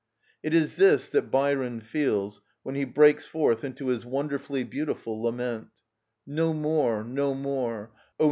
It is this that Byron feels when he breaks forth into his wonderfully beautiful lament: "No more—no more—oh!